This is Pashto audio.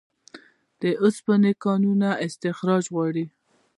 د اوسپنې کانونه استخراج غواړي